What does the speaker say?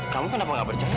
kamu kenapa gak percaya